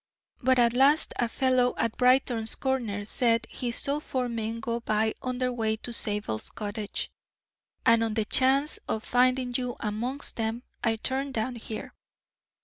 But at last a fellow at Brighton's corner said he saw four men go by on their way to Zabel's cottage, and on the chance of finding you amongst them, I turned down here.